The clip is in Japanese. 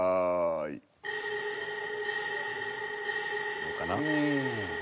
どうかな。